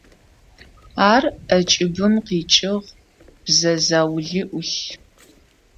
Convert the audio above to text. Ар ӏэкӏыбым къикӏыгъ, бзэ заули ӏулъ.